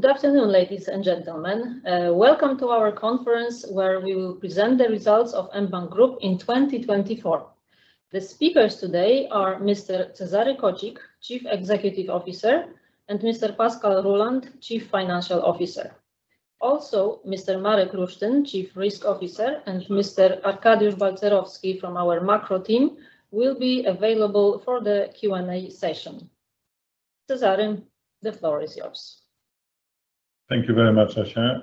Good afternoon, ladies and gentlemen. Welcome to our conference where we will present the results of mBank Group in 2024. The speakers today are Mr. Cezary Kocik, Chief Executive Officer, and Mr. Pascal Ruhland, Chief Financial Officer. Also, Mr. Marek Lusztyn, Chief Risk Officer, and Mr. Arkadiusz Balcerowski from our Macro team will be available for the Q&A session. Cezary, the floor is yours. Thank you very much, [Asia].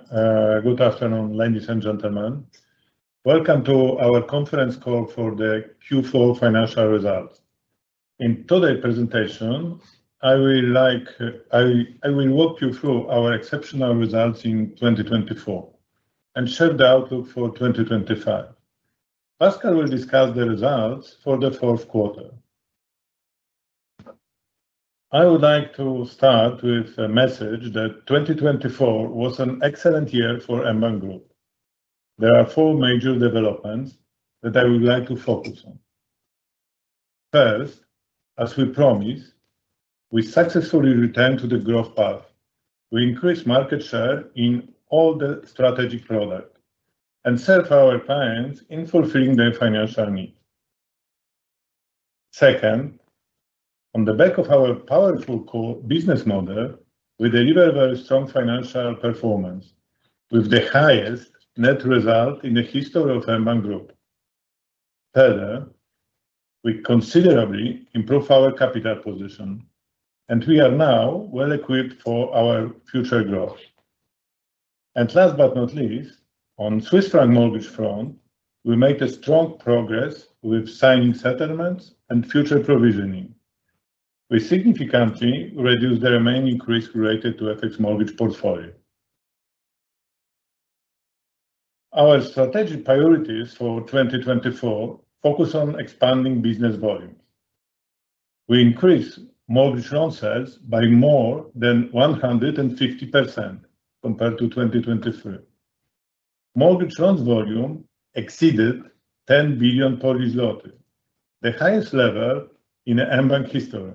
Good afternoon, ladies and gentlemen. Welcome to our conference call for the Q4 financial results. In today's presentation, I will walk you through our exceptional results in 2024 and share the outlook for 2025. Pascal will discuss the results for the fourth quarter. I would like to start with a message that 2024 was an excellent year for mBank Group. There are four major developments that I would like to focus on. First, as we promised, we successfully returned to the growth path. We increased market share in all the strategic products and served our clients in fulfilling their financial needs. Second, on the back of our powerful business model, we deliver very strong financial performance with the highest net result in the history of mBank Group. Further, we considerably improved our capital position, and we are now well equipped for our future growth. Last but not least, on the Swiss franc mortgage front, we made strong progress with signing settlements and future provisioning. We significantly reduced the remaining risk related to the FX mortgage portfolio. Our strategic priorities for 2024 focus on expanding business volumes. We increased mortgage loan sales by more than 150% compared to 2023. Mortgage loan volume exceeded 10 billion Polish zloty, the highest level in mBank history.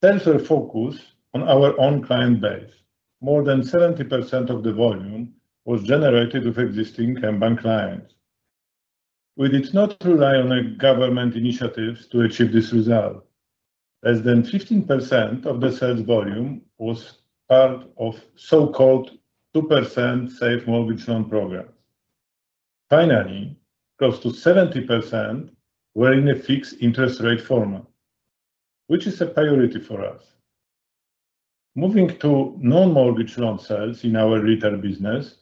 Sales were focused on our own client base. More than 70% of the volume was generated with existing mBank clients. We did not rely on government initiatives to achieve this result. Less than 15% of the sales volume was part of so-called 2% Safe Mortgage loan programs. Finally, close to 70% were in a fixed interest rate format, which is a priority for us. Moving to non-mortgage loan sales in our retail business,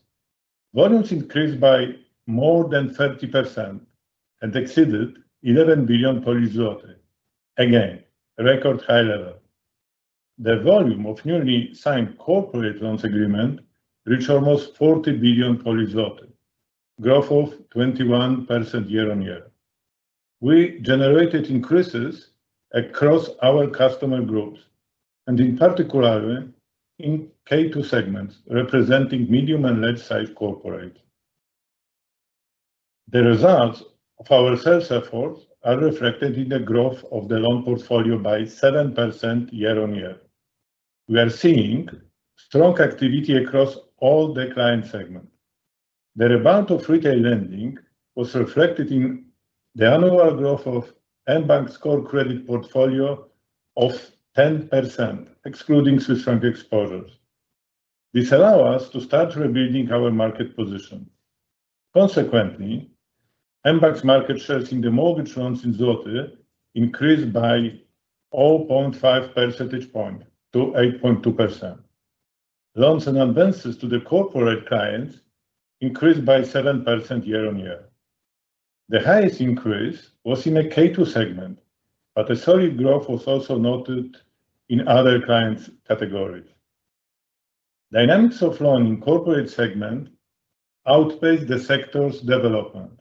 volumes increased by more than 30% and exceeded 11 billion Polish zloty. Again, a record high level. The volume of newly signed corporate loan agreements reached almost 40 billion, a growth of 21% year-on-year. We generated increases across our customer groups, and in particular in K2 segments representing medium and large-sized corporations. The results of our sales efforts are reflected in the growth of the loan portfolio by 7% year-on-year. We are seeing strong activity across all the client segments. The rebound of retail lending was reflected in the annual growth of mBank's core credit portfolio of 10%, excluding Swiss franc exposures. This allows us to start rebuilding our market position. Consequently, mBank's market shares in the mortgage loans in złoty increased by 0.5 percentage points to 8.2%. Loans and advances to the corporate clients increased by 7% year-on-year. The highest increase was in the K2 segment, but a solid growth was also noted in other client categories. Dynamics of loan in the corporate segment outpaced the sector's development.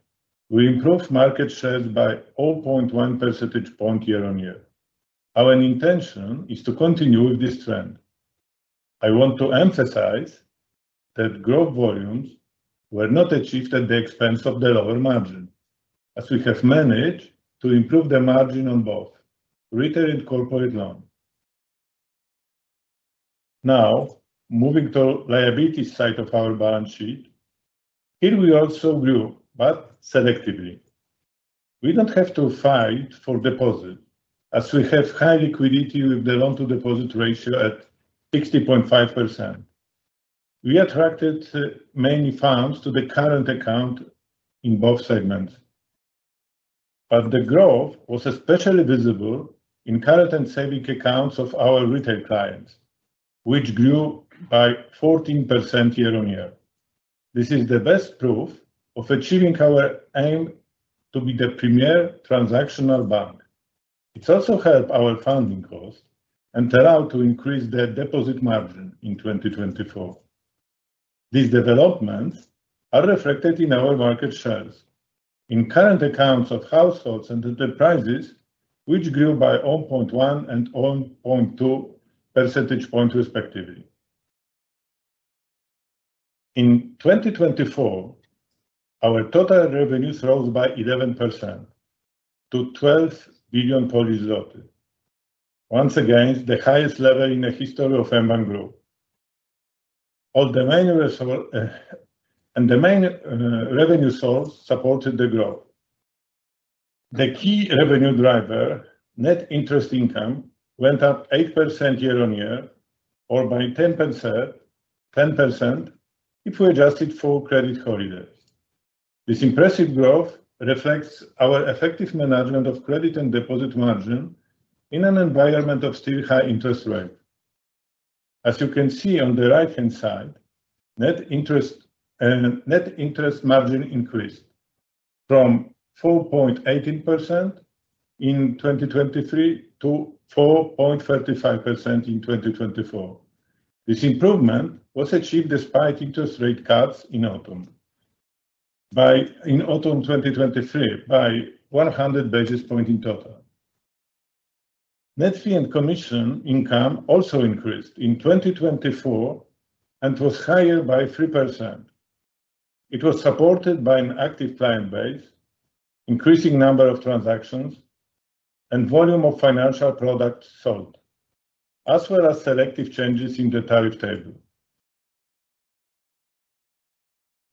We improved market shares by 0.1 percentage points year-on-year. Our intention is to continue with this trend. I want to emphasize that growth volumes were not achieved at the expense of the lower margin, as we have managed to improve the margin on both retail and corporate loans. Now, moving to the liabilities side of our balance sheet, here we also grew, but selectively. We don't have to fight for deposits, as we have high liquidity with the loan-to-deposit ratio at 60.5%. We attracted many funds to the current account in both segments. But the growth was especially visible in current and savings accounts of our retail clients, which grew by 14% year-on-year. This is the best proof of achieving our aim to be the premier transactional bank. It also helped our funding costs and allowed us to increase the deposit margin in 2024. These developments are reflected in our market shares in current accounts of households and enterprises, which grew by 0.1 and 0.2 percentage points, respectively. In 2024, our total revenues rose by 11% to 12 billion Polish zloty. Once again, the highest level in the history of mBank Group. And the main revenue source supported the growth. The key revenue driver, net interest income, went up 8% year-on-year, or by 10% if we adjusted for credit holidays. This impressive growth reflects our effective management of credit and deposit margin in an environment of still high interest rates. As you can see on the right-hand side, net interest margin increased from 4.18% in 2023 to 4.35% in 2024. This improvement was achieved despite interest rate cuts in autumn 2023 by 100 basis points in total. Net fee and commission income also increased in 2024 and was higher by 3%. It was supported by an active client base, increasing the number of transactions and volume of financial products sold, as well as selective changes in the tariff table.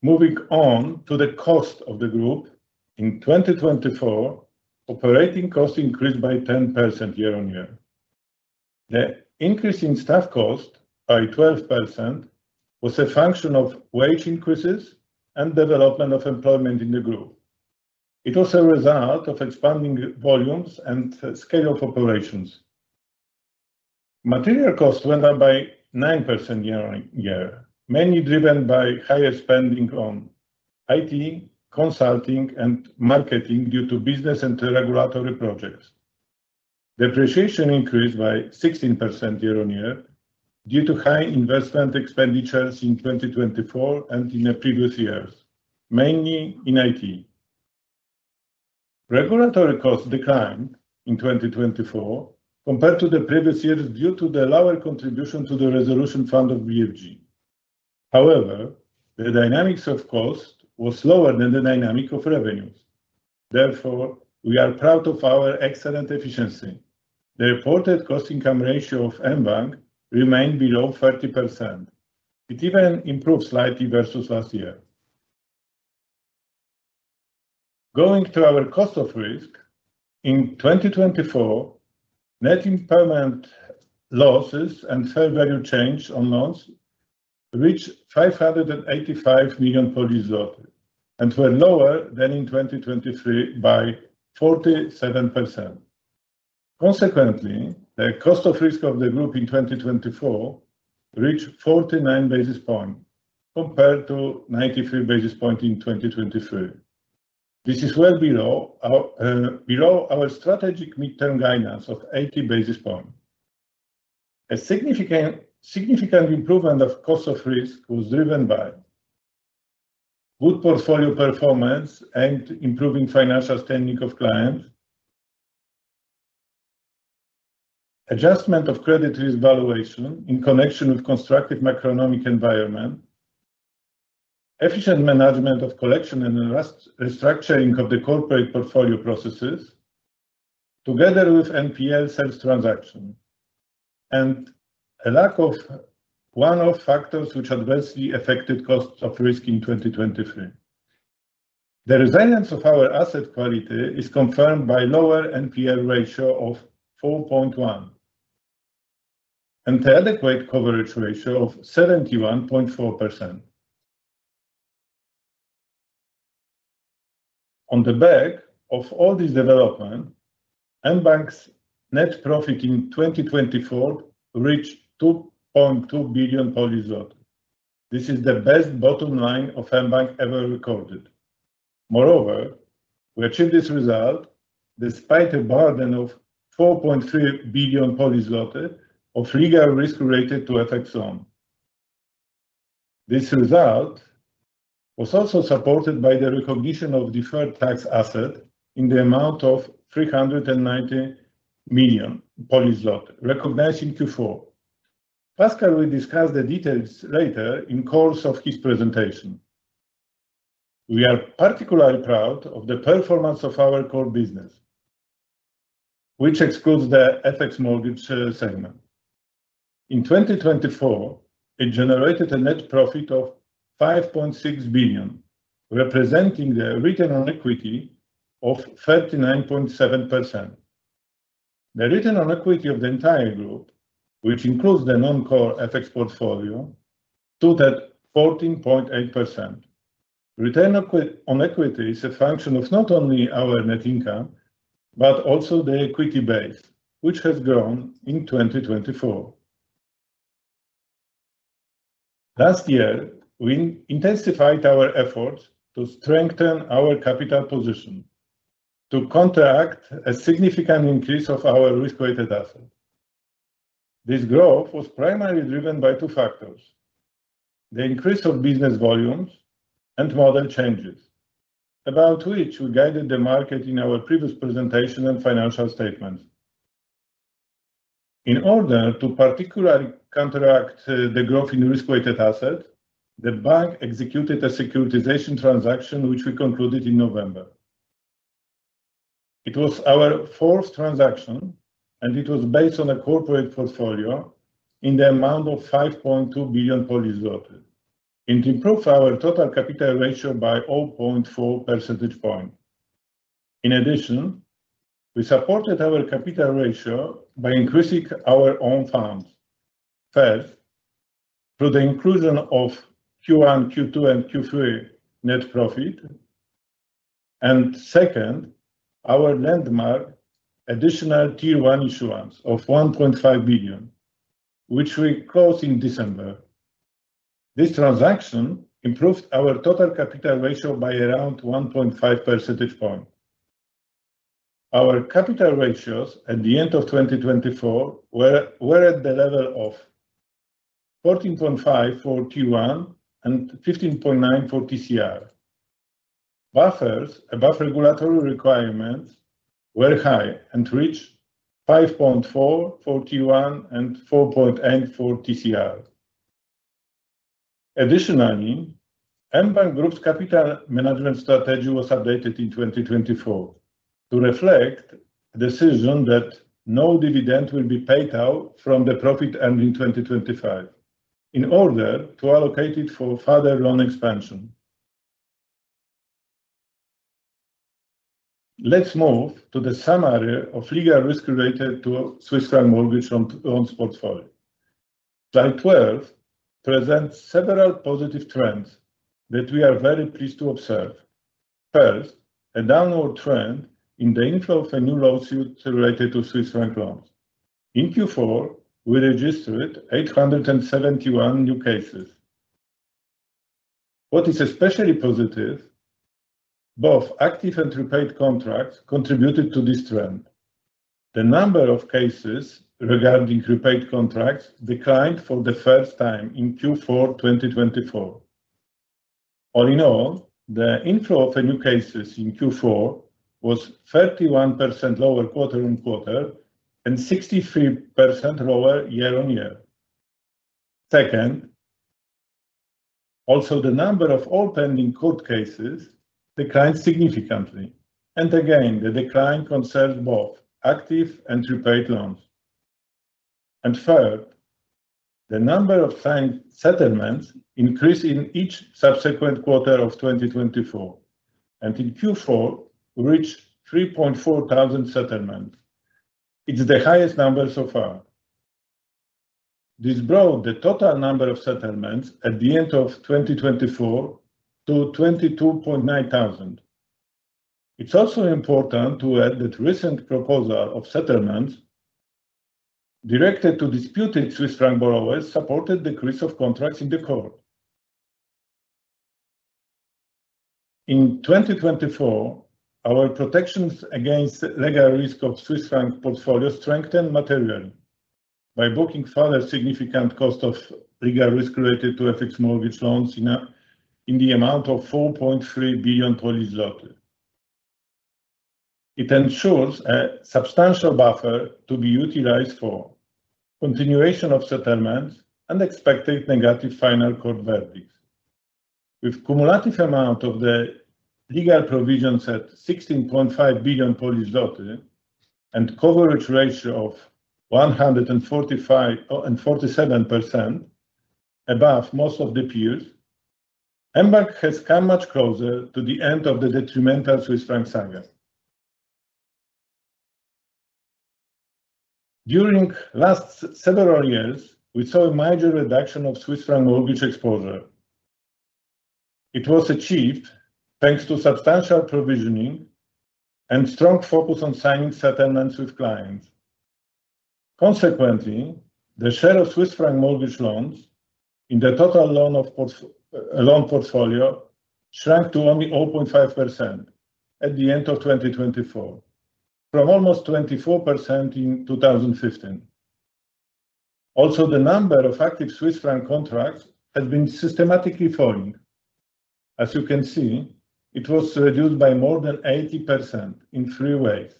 Moving on to the costs of the group, in 2024, operating costs increased by 10% year-on-year. The increase in staff costs by 12% was a function of wage increases and development of employment in the group. It was a result of expanding volumes and scale of operations. Material costs went up by 9% year-on-year, mainly driven by higher spending on IT, consulting, and marketing due to business and regulatory projects. Depreciation increased by 16% year-on-year due to high investment expenditures in 2024 and in the previous years, mainly in IT. Regulatory costs declined in 2024 compared to the previous years due to the lower contribution to the resolution fund of BFG. However, the dynamics of costs were slower than the dynamics of revenues. Therefore, we are proud of our excellent efficiency. The reported cost-income ratio of mBank remained below 30%. It even improved slightly versus last year. Going to our cost of risk, in 2024, net impairment losses and fair value change on loans reached 585 million and were lower than in 2023 by 47%. Consequently, the cost of risk of the group in 2024 reached 49 basis points compared to 93 basis points in 2023. This is well below our strategic midterm guidance of 80 basis points. A significant improvement of cost of risk was driven by good portfolio performance and improving financial standing of clients, adjustment of credit risk valuation in connection with the constructive macroeconomic environment, efficient management of collection and restructuring of the corporate portfolio processes, together with NPL sales transactions, and a lack of one-off factors which adversely affected costs of risk in 2023. The resilience of our asset quality is confirmed by a lower NPL ratio of 4.1% and an adequate coverage ratio of 71.4%. On the back of all these developments, mBank's net profit in 2024 reached 2.2 billion. This is the best bottom line of mBank ever recorded. Moreover, we achieved this result despite a burden of 4.3 billion of legal risk related to FX loans. This result was also supported by the recognition of deferred tax assets in the amount of 390 million Polish zloty, recognized in Q4. Pascal will discuss the details later in the course of his presentation. We are particularly proud of the performance of our core business, which excludes the FX mortgage segment. In 2024, it generated a net profit of 5.6 billion, representing the return on equity of 39.7%. The return on equity of the entire group, which includes the non-core FX portfolio, stood at 14.8%. Return on equity is a function of not only our net income but also the equity base, which has grown in 2024. Last year, we intensified our efforts to strengthen our capital position to counteract a significant increase of our risk-weighted assets. This growth was primarily driven by two factors: the increase of business volumes and model changes, about which we guided the market in our previous presentation and financial statements. In order to particularly counteract the growth in risk-weighted assets, the bank executed a securitization transaction, which we concluded in November. It was our fourth transaction, and it was based on a corporate portfolio in the amount of 5.2 billion Polish zloty, and improved our total capital ratio by 0.4 percentage points. In addition, we supported our capital ratio by increasing our own funds, first through the inclusion of Q1, Q2, and Q3 net profit, and second, our landmark additional Tier 1 issuance of 1.5 billion, which we closed in December. This transaction improved our total capital ratio by around 1.5 percentage points. Our capital ratios at the end of 2024 were at the level of 14.5x for T1 and 15.9x for TCR. Buffers above regulatory requirements were high and reached 5.4x for T1 and 4.8x for TCR. Additionally, mBank Group's capital management strategy was updated in 2024 to reflect a decision that no dividend will be paid out from the profit earned in 2025 in order to allocate it for further loan expansion. Let's move to the summary of legal risk related to Swiss franc mortgage loans portfolio. Slide 12 presents several positive trends that we are very pleased to observe. First, a downward trend in the inflow of a new lawsuit related to Swiss franc loans. In Q4, we registered 871 new cases. What is especially positive, both active and repaid contracts contributed to this trend. The number of cases regarding repaid contracts declined for the first time in Q4 2024. All in all, the inflow of new cases in Q4 was 31% lower quarter-on-quarter and 63% lower year-on-year. Second, also, the number of all pending court cases declined significantly. And again, the decline concerns both active and repaid loans. And third, the number of settlements increased in each subsequent quarter of 2024, and in Q4, we reached 3,400 settlements. It's the highest number so far. This brought the total number of settlements at the end of 2024 to 22,900. It's also important to add that recent proposals of settlements directed to disputed Swiss franc borrowers supported the decrease of contracts in the court. In 2024, our protections against legal risk of Swiss franc portfolio strengthened materially by booking further significant costs of legal risk related to FX mortgage loans in the amount of 4.3 billion Polish zloty. It ensures a substantial buffer to be utilized for continuation of settlements and expected negative final court verdicts. With the cumulative amount of the legal provisions at 16.5 billion Polish zloty and a coverage ratio of 147%, above most of the peers, mBank has come much closer to the end of the detrimental Swiss franc cycle. During the last several years, we saw a major reduction of Swiss franc mortgage exposure. It was achieved thanks to substantial provisioning and strong focus on signing settlements with clients. Consequently, the share of Swiss franc mortgage loans in the total loan portfolio shrank to only 0.5% at the end of 2024, from almost 24% in 2015. Also, the number of active Swiss franc contracts has been systematically falling. As you can see, it was reduced by more than 80% in three ways.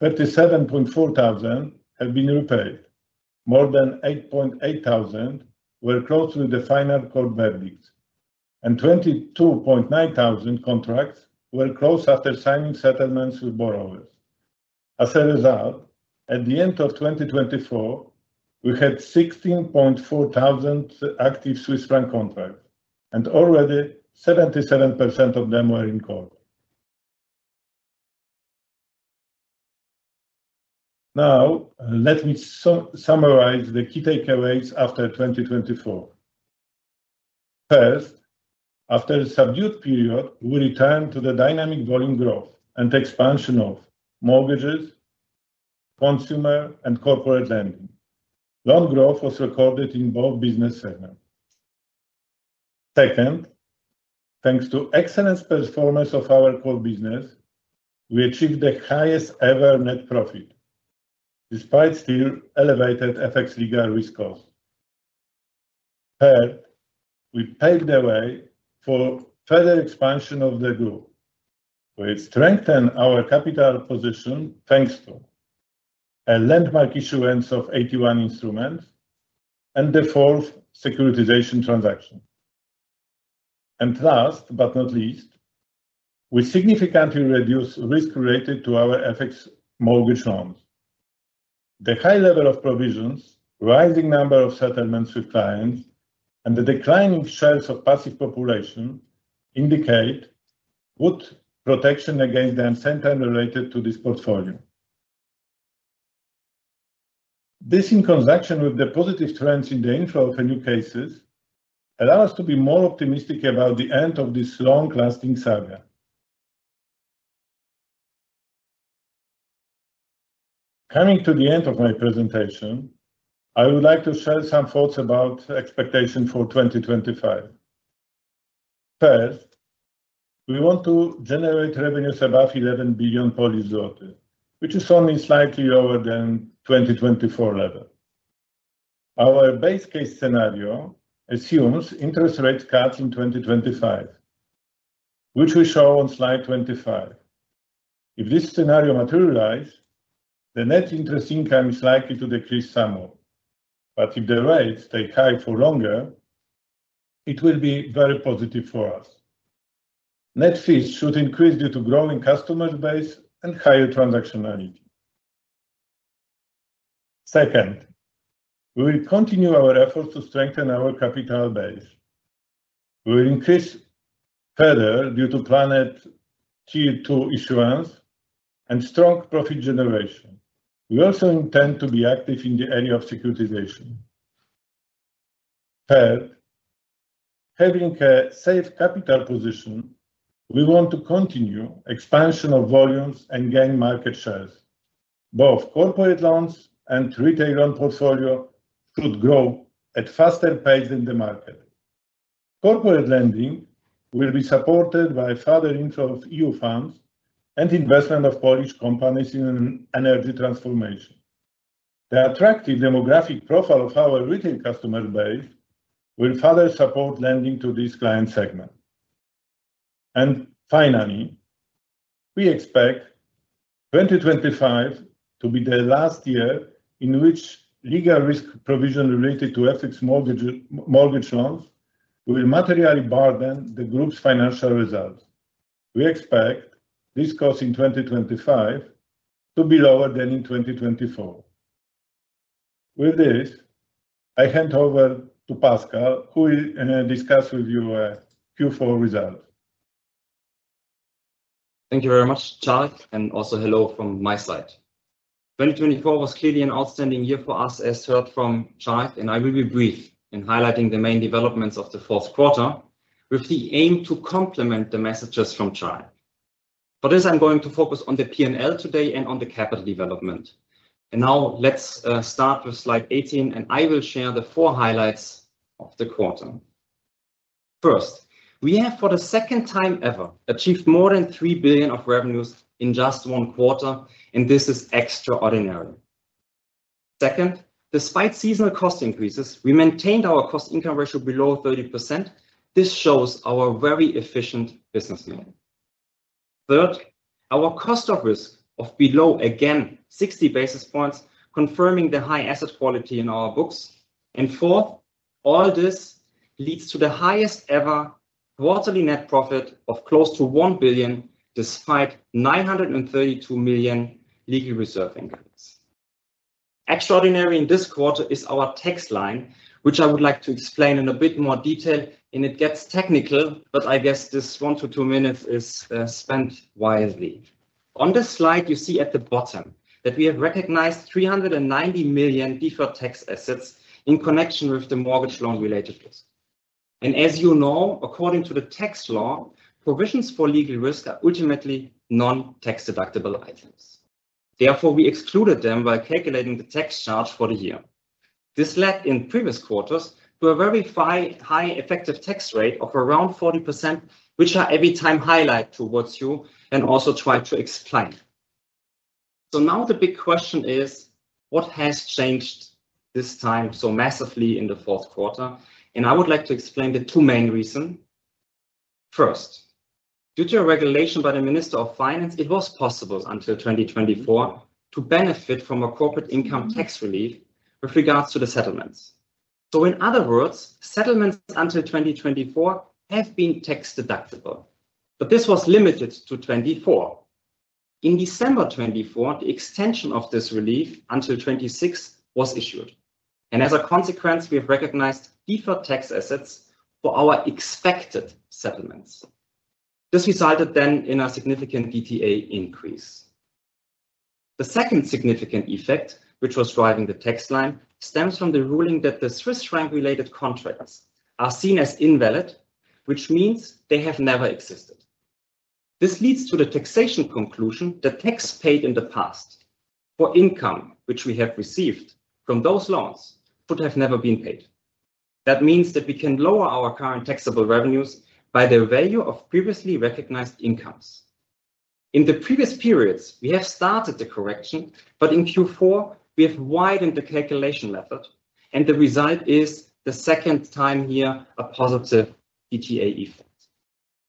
37,400 have been repaid, more than 8,800 were closed with the final court verdicts, and 22,900 contracts were closed after signing settlements with borrowers. As a result, at the end of 2024, we had 16,400 active Swiss franc contracts, and already 77% of them were in court. Now, let me summarize the key takeaways after 2024. First, after a subdued period, we returned to the dynamic volume growth and expansion of mortgages, consumer, and corporate lending. Loan growth was recorded in both business segments. Second, thanks to excellent performance of our core business, we achieved the highest ever net profit, despite still elevated FX legal risk costs. Third, we paved the way for further expansion of the group, which strengthened our capital position thanks to a landmark issuance of AT1 instruments and the fourth securitization transaction. Last but not least, we significantly reduced risk related to our FX mortgage loans. The high level of provisions, rising number of settlements with clients, and the declining shares of passive population indicate good protection against the uncertainty related to this portfolio. This, in conjunction with the positive trends in the inflow of new cases, allows us to be more optimistic about the end of this long-lasting cycle. Coming to the end of my presentation, I would like to share some thoughts about expectations for 2025. First, we want to generate revenues above 11 billion Polish zloty, which is only slightly lower than the 2024 level. Our base case scenario assumes interest rate cuts in 2025, which we show on slide 25. If this scenario materializes, the net interest income is likely to decrease somewhat, but if the rates stay high for longer, it will be very positive for us. Net fees should increase due to growing customer base and higher transactionality. Second, we will continue our efforts to strengthen our capital base. We will increase further due to planned Tier 2 issuance and strong profit generation. We also intend to be active in the area of securitization. Third, having a safe capital position, we want to continue the expansion of volumes and gain market shares. Both corporate loans and retail loan portfolio should grow at a faster pace than the market. Corporate lending will be supported by further inflow of EU funds and investment of Polish companies in energy transformation. The attractive demographic profile of our retail customer base will further support lending to this client segment. Finally, we expect 2025 to be the last year in which legal risk provision related to FX mortgage loans will materially burden the group's financial results. We expect this cost in 2025 to be lower than in 2024. With this, I hand over to Pascal, who will discuss with you the Q4 results. Thank you very much, Czarek, and also hello from my side. 2024 was clearly an outstanding year for us, as heard from Czarek, and I will be brief in highlighting the main developments of the fourth quarter with the aim to complement the messages from Czarek. For this, I'm going to focus on the P&L today and on the capital development. Now, let's start with slide 18, and I will share the four highlights of the quarter. First, we have, for the second time ever, achieved more than 3 billion of revenues in just one quarter, and this is extraordinary. Second, despite seasonal cost increases, we maintained our cost income ratio below 30%. This shows our very efficient business model. Third, our cost of risk of below, again, 60 basis points, confirming the high asset quality in our books. And fourth, all this leads to the highest ever quarterly net profit of close to 1 billion, despite 932 million legal reserve impact. Extraordinary in this quarter is our tax line, which I would like to explain in a bit more detail, and it gets technical, but I guess this one to two minutes is spent wisely. On this slide, you see at the bottom that we have recognized 390 million deferred tax assets in connection with the mortgage loan-related risk. As you know, according to the tax law, provisions for legal risk are ultimately non-tax-deductible items. Therefore, we excluded them by calculating the tax charge for the year. This led in previous quarters to a very high effective tax rate of around 40%, which I every time highlight towards you and also try to explain. Now the big question is, what has changed this time so massively in the fourth quarter? I would like to explain the two main reasons. First, due to a regulation by the Minister of Finance, it was possible until 2024 to benefit from a corporate income tax relief with regards to the settlements. In other words, settlements until 2024 have been tax-deductible, but this was limited to 2024. In December 2024, the extension of this relief until 2026 was issued. And as a consequence, we have recognized deferred tax assets for our expected settlements. This resulted then in a significant DTA increase. The second significant effect, which was driving the tax line, stems from the ruling that the Swiss franc-related contracts are seen as invalid, which means they have never existed. This leads to the taxation conclusion that tax paid in the past for income which we have received from those loans should have never been paid. That means that we can lower our current taxable revenues by the value of previously recognized incomes. In the previous periods, we have started the correction, but in Q4, we have widened the calculation method, and the result is the second time here a positive DTA effect.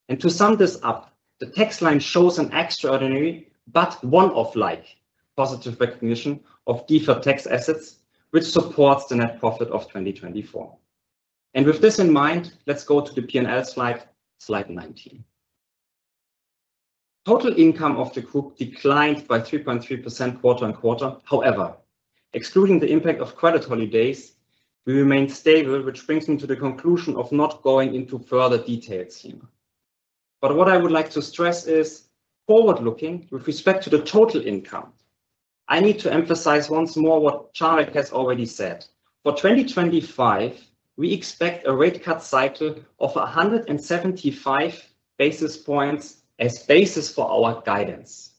And to sum this up, the tax line shows an extraordinary but one-off-like positive recognition of deferred tax assets, which supports the net profit of 2024. With this in mind, let's go to the P&L slide, slide 19. Total income of the group declined by 3.3% quarter-on-quarter. However, excluding the impact of credit holidays, we remained stable, which brings me to the conclusion of not going into further details here. What I would like to stress is forward-looking with respect to the total income. I need to emphasize once more what Czarek has already said. For 2025, we expect a rate cut cycle of 175 basis points as basis for our guidance.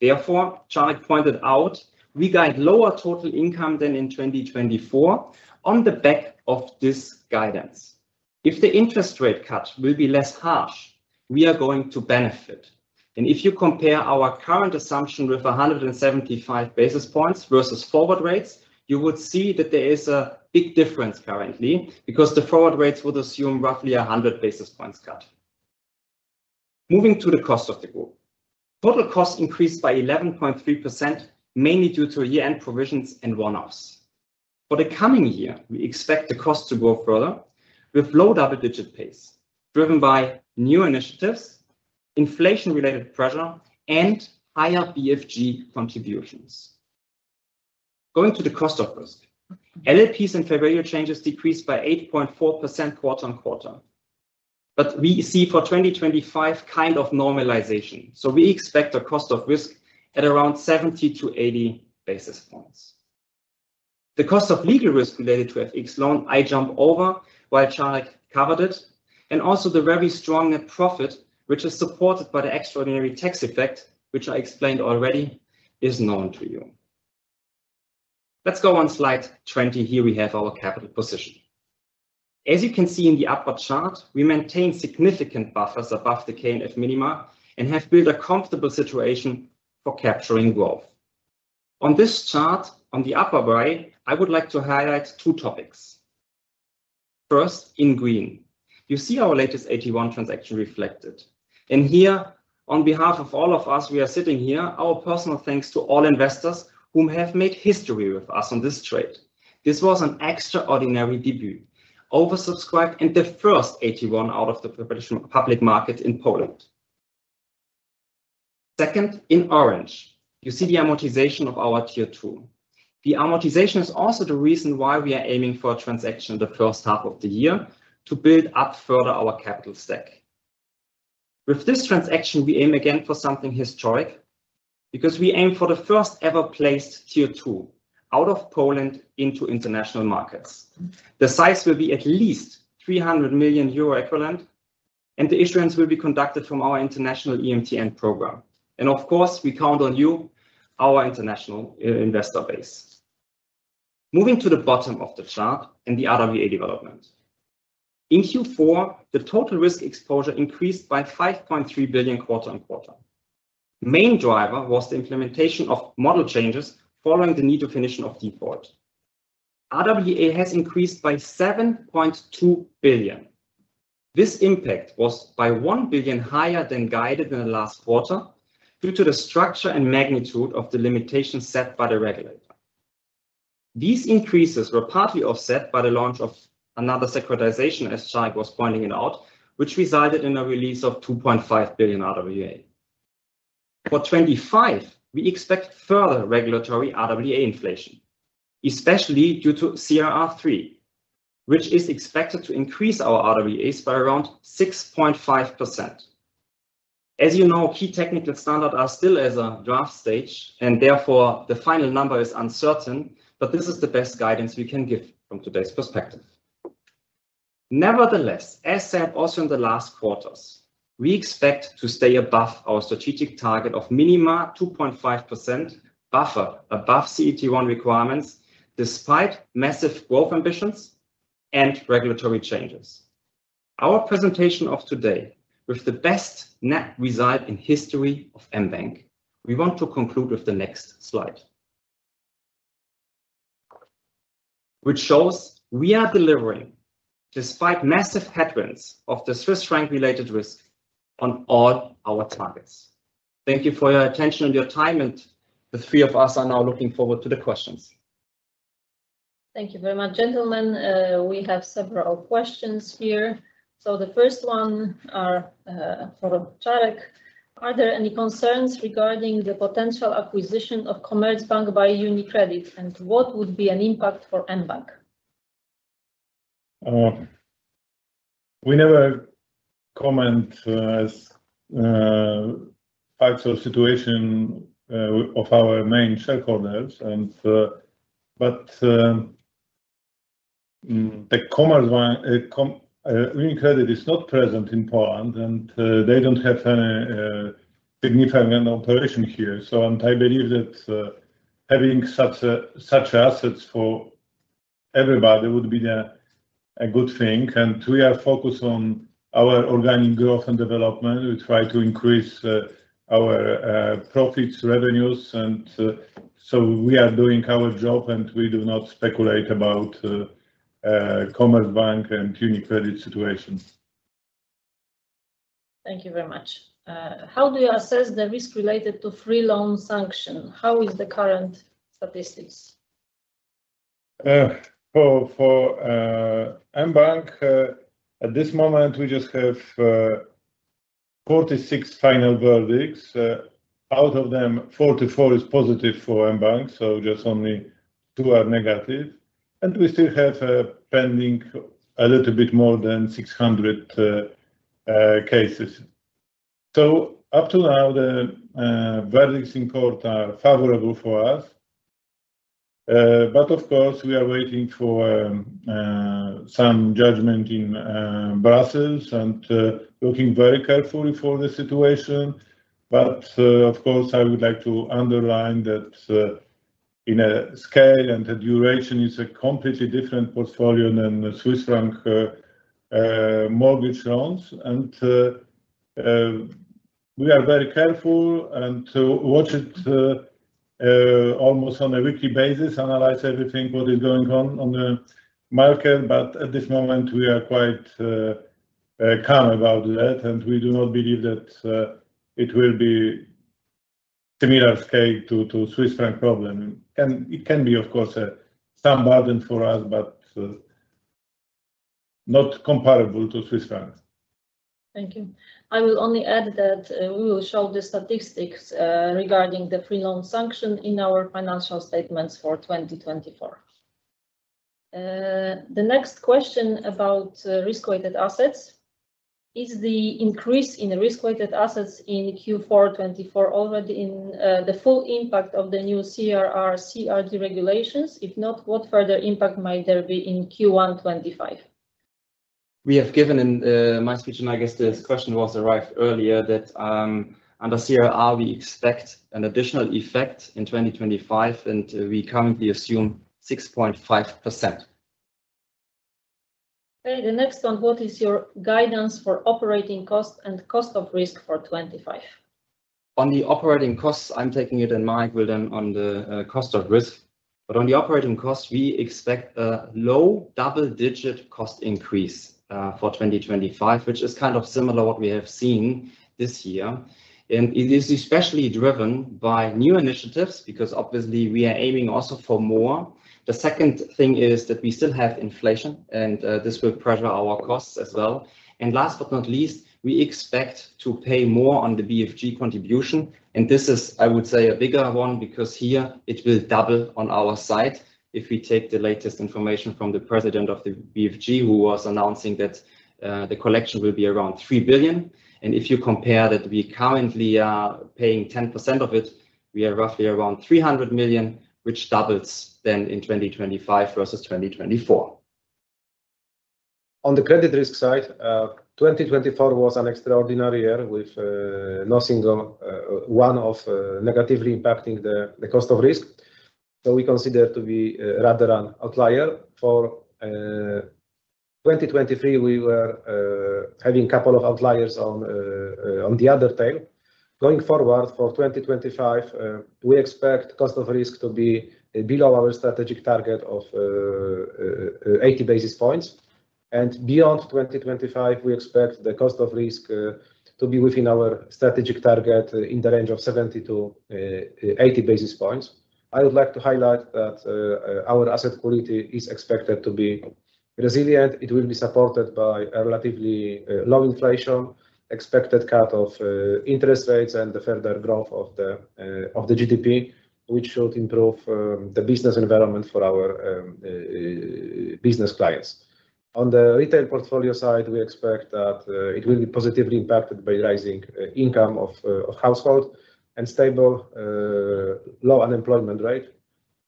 Therefore, Czarek pointed out, we guide lower total income than in 2024 on the back of this guidance. If the interest rate cut will be less harsh, we are going to benefit. And if you compare our current assumption with 175 basis points versus forward rates, you would see that there is a big difference currently because the forward rates would assume roughly 100 basis points cut. Moving to the cost of the group. Total cost increased by 11.3%, mainly due to year-end provisions and one-offs. For the coming year, we expect the cost to grow further with low double-digit pace driven by new initiatives, inflation-related pressure, and higher BFG contributions. Going to the cost of risk. LLPs and favorable changes decreased by 8.4% quarter-on-quarter. But we see for 2025 kind of normalization. So we expect a cost of risk at around 70-80 basis points. The cost of legal risk related to FX loan, I jump over while Czarek covered it. Also the very strong net profit, which is supported by the extraordinary tax effect, which I explained already, is known to you. Let's go on slide 20. Here we have our capital position. As you can see in the upper chart, we maintain significant buffers above the KNF minima and have built a comfortable situation for capturing growth. On this chart, on the upper right, I would like to highlight two topics. First, in green, you see our latest AT1 transactions reflected. And here, on behalf of all of us, we are sitting here, our personal thanks to all investors who have made history with us on this trade. This was an extraordinary debut, oversubscribed, and the first AT1 out of the public market in Poland. Second, in orange, you see the amortization of our Tier 2. The amortization is also the reason why we are aiming for a transaction in the first half of the year to build up further our capital stack. With this transaction, we aim again for something historic because we aim for the first ever placed Tier 2 out of Poland into international markets. The size will be at least 300 million euro equivalent, and the issuance will be conducted from our international EMTN Program. And of course, we count on you, our international investor base. Moving to the bottom of the chart and the RWA development. In Q4, the total risk exposure increased by 5.3 billion quarter-on-quarter. Main driver was the implementation of model changes following the need to definition of default. RWA has increased by 7.2 billion. This impact was by 1 billion higher than guided in the last quarter due to the structure and magnitude of the limitations set by the regulator. These increases were partly offset by the launch of another securitization, as Cezary was pointing it out, which resulted in a release of 2.5 billion RWA. For 2025, we expect further regulatory RWA inflation, especially due to CRR3, which is expected to increase our RWAs by around 6.5%. As you know, key technical standards are still at a draft stage, and therefore the final number is uncertain, but this is the best guidance we can give from today's perspective. Nevertheless, as said also in the last quarters, we expect to stay above our strategic target of minimum 2.5% buffer above CET1 requirements despite massive growth ambitions and regulatory changes. Our presentation of today with the best net result in history of mBank, we want to conclude with the next slide, which shows we are delivering despite massive headwinds of the Swiss franc-related risk on all our targets. Thank you for your attention and your time, and the three of us are now looking forward to the questions. Thank you very much, gentlemen. We have several questions here. So the first one for Kocik, are there any concerns regarding the potential acquisition of Commerzbank by UniCredit and what would be an impact for mBank? We never comment as part of the situation of our main shareholders, but the Commerzbank UniCredit is not present in Poland, and they don't have any significant operation here. So I believe that having such assets for everybody would be a good thing. And we are focused on our organic growth and development. We try to increase our profits, revenues, and so we are doing our job, and we do not speculate about Commerzbank and UniCredit situation. Thank you very much. How do you assess the risk related to Free Loan Sanction? How is the current statistics? For mBank, at this moment, we just have 46 final verdicts. Out of them, 44 is positive for mBank, so just only two are negative, and we still have pending a little bit more than 600 cases. So up to now, the verdicts in court are favorable for us. But of course, we are waiting for some judgment in Brussels and looking very carefully for the situation. But of course, I would like to underline that in a scale and a duration, it's a completely different portfolio than Swiss franc mortgage loans. We are very careful and watch it almost on a weekly basis, analyze everything, what is going on on the market. At this moment, we are quite calm about that, and we do not believe that it will be a similar scale to the Swiss franc problem. It can be, of course, some burden for us, but not comparable to Swiss franc. Thank you. I will only add that we will show the statistics regarding the Free Loan Sanction in our financial statements for 2024. The next question about risk-weighted assets is the increase in risk-weighted assets in Q4 2024 already in the full impact of the new CRR, CRD regulations? If not, what further impact might there be in Q1 2025? We have given in my speech, and I guess this question was arrived earlier that under CRR, we expect an additional effect in 2025, and we currently assume 6.5%. Okay, the next one, what is your guidance for operating cost and cost of risk for 2025? On the operating costs, I'm taking it in my equivalent on the cost of risk. But on the operating cost, we expect a low double-digit cost increase for 2025, which is kind of similar to what we have seen this year, and it is especially driven by new initiatives because obviously we are aiming also for more. The second thing is that we still have inflation, and this will pressure our costs as well, and last but not least, we expect to pay more on the BFG contribution. This is, I would say, a bigger one because here it will double on our side if we take the latest information from the president of the BFG, who was announcing that the collection will be around 3 billion. If you compare that, we currently are paying 10% of it; we are roughly around 300 million, which doubles then in 2025 versus 2024. On the credit risk side, 2024 was an extraordinary year with no single one of negatively impacting the cost of risk. So we consider to be rather an outlier. For 2023, we were having a couple of outliers on the other tail. Going forward for 2025, we expect cost of risk to be below our strategic target of 80 basis points. And beyond 2025, we expect the cost of risk to be within our strategic target in the range of 70-80 basis points. I would like to highlight that our asset quality is expected to be resilient. It will be supported by a relatively low inflation, expected cut of interest rates, and the further growth of the GDP, which should improve the business environment for our business clients. On the retail portfolio side, we expect that it will be positively impacted by rising income of households and stable low unemployment rate.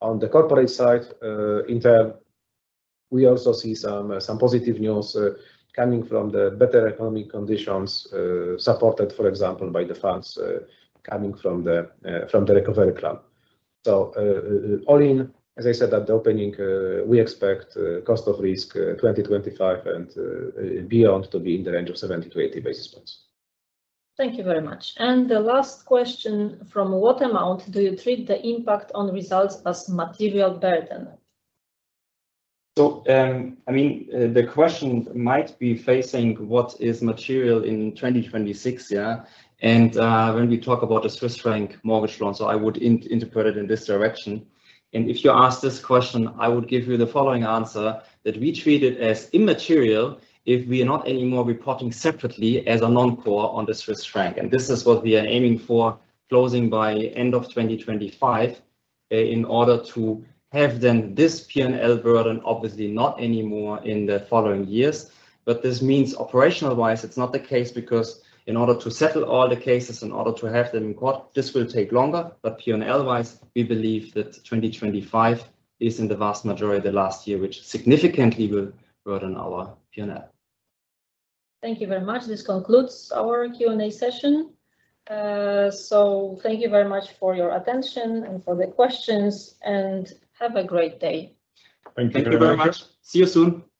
On the corporate side, in turn, we also see some positive news coming from the better economic conditions supported, for example, by the funds coming from the recovery plan. So all in, as I said at the opening, we expect cost of risk 2025 and beyond to be in the range of 70-80 basis points. Thank you very much. And the last question from what amount do you treat the impact on results as material burden? I mean, the question might be facing what is material in 2026, yeah? And when we talk about the Swiss franc mortgage loan, I would interpret it in this direction. And if you ask this question, I would give you the following answer that we treat it as immaterial if we are not anymore reporting separately as a non-core on the Swiss franc. And this is what we are aiming for closing by end of 2025 in order to have then this P&L burden, obviously not anymore in the following years. But this means operational-wise, it's not the case because in order to settle all the cases, in order to have them in court, this will take longer. But P&L-wise, we believe that 2025 is in the vast majority of the last year, which significantly will burden our P&L. Thank you very much. This concludes our Q&A session. So thank you very much for your attention and for the questions, and have a great day. Thank you very much. See you soon.